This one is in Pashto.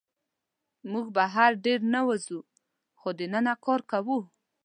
موږ بهر ډېر نه وځو، خو دننه کار کوو.